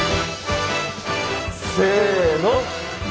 せの！